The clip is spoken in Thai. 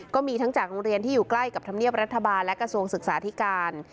ก็มีทั้งจากโรงเรียนที่อยู่ใกล้กับธรรมเนียบรัฐบาลและกระทรวงศึกษาธิการ